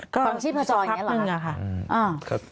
ฟังชีพจรอย่างนี้เหรอค่ะ